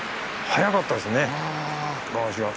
速かったですね。